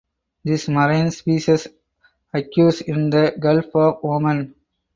This marine species occurs in the Gulf of Oman.